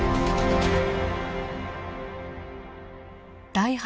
第８